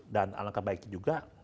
dan alangkah baiknya juga